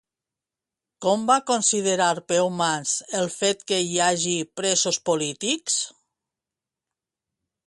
Com va considerar Peumans el fet que hi hagi presos polítics?